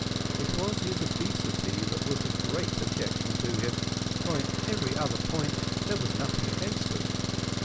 It was his obesity that was the great objection to him, for in every other point there was nothing against him.